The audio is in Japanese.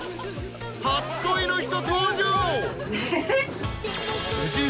［初恋の人登場］